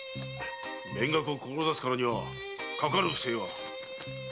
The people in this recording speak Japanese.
勉学を志すからにはかかる不正は。